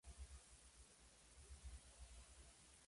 Está ubicada a al norte de San Quintín.